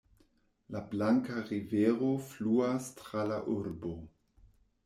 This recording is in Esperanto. La Blanka Rivero fluas tra la urbo.